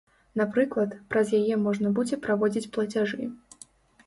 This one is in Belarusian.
Напрыклад, праз яе можна будзе праводзіць плацяжы.